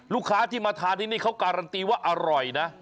ลูกค้าที่มาทานที่นี่เขาการันตีว่าอร่อยนะ